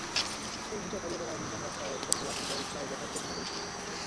সেই হিংসা তাড়িয়ে বেড়ায় নির্জন রাস্তায় পথচলা কিংবা রিকশায় বসা বিদেশি নাগরিককে।